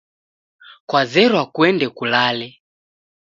Kwazerwa kuende kulale.